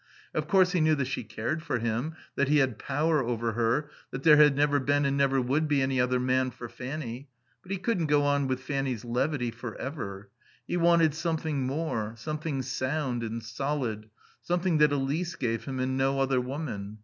Of course he knew that she cared for him, that he had power over her, that there had never been and never would be any other man for Fanny; but he couldn't go on with Fanny's levity for ever. He wanted something more; something sound and solid; something that Elise gave him and no other woman.